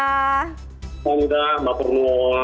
kamsahamida mbak purnua